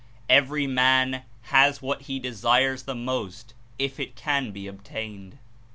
Every man has what he desires the most if it can be obtained.